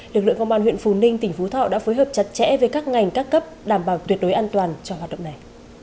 lực lượng công an huyện phù ninh tỉnh phú thọ đã phối hợp chặt chẽ với các ngành các cấp đảm bảo tuyệt đối an toàn cho hoạt động này